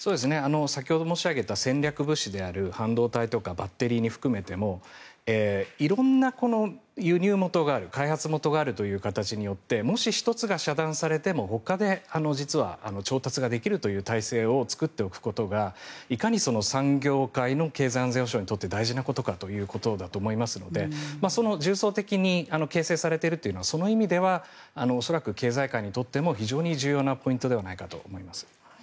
先ほど申し上げた戦力物資である半導体とかバッテリーを含めても色んな輸入元がある開発元があるという形によってもし、１つが遮断されてもほかで実は調達できるという体制を作っておくことがいかに産業界の経済安全保障にとって大事なことかということだと思いますので、重層的に形成されているのはそれは経済界にとっても非常に重要なポイントではないかと思います。